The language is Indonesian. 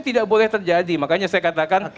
tidak boleh terjadi makanya saya katakan